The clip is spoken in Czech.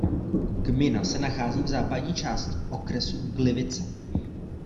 Gmina se nachází v západní části okresu Gliwice.